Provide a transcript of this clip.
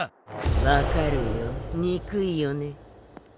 分かるよにくいよね。